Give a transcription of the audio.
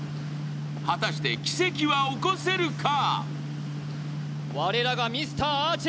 果たして奇跡は起こせるか。